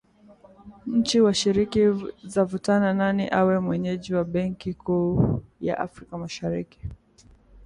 Nchi washiriki zavutana nani awe mwenyeji wa benki kuu ya Afrika Mashariki.